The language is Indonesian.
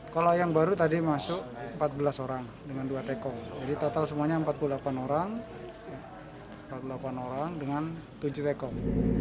kalau yang baru tadi masuk empat belas orang dengan dua tekom jadi total semuanya empat puluh delapan orang dengan tujuh tekom